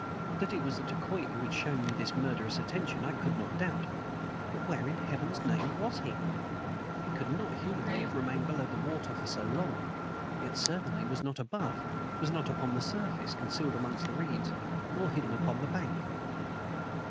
That it was the dacoit who had shown me this murderous attention I could not doubt. But where in Heaven's name WAS he? He could not humanly have remained below water for so long; yet he certainly was not above, was not upon the surface, concealed amongst the reeds, nor hidden upon the bank.